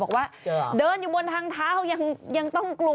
บอกว่าเดินอยู่บนทางเท้ายังต้องกลัว